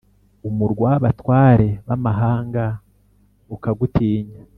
umurwa w’abatware b’amahanga ukagutinya,